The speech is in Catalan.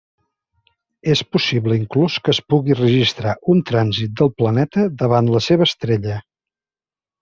És possible inclús que es pugui registrar un trànsit del planeta davant la seva estrella.